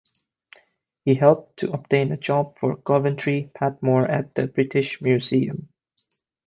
He helped to obtain a job for Coventry Patmore at the British Museum.